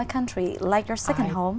còn món ăn đan hàn